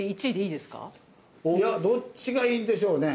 いやどっちがいいんでしょうね？